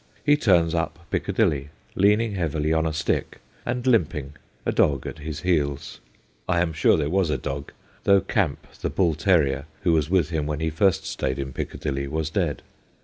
He turns up Piccadilly, leaning heavily on a stick and limping, a dog at his heels. I am sure there was a dog, though Camp, the bull terrier, who was with him when he first stayed in Piccadilly, was dead.